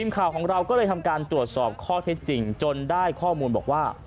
ข่าวของเราก็เลยทำการตรวจสอบข้อเท็จจริงจนได้ข้อมูลบอกว่า